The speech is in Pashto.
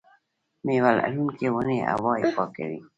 میوه لرونکې ونې هوا پاکوي.